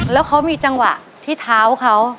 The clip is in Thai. แล้วเขามีจังหวะที่เท้าเขา